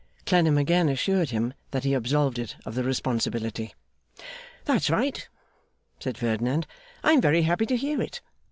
Clennam again assured him that he absolved it of the responsibility. 'That's right,' said Ferdinand. 'I am very happy to hear it.